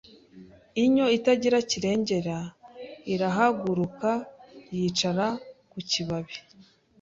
Inyo itagira kirengera irahaguruka yicara ku kibabi